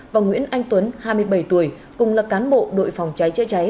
và nguyễn anh tuấn hai mươi bảy tuổi cùng là cán bộ đội phòng cháy chữa cháy